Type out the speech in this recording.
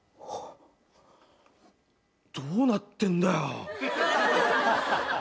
どうなってんだよ。